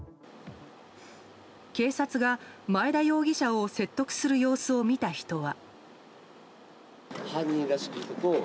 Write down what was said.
警察が前田容疑者を説得する様子を見た人は。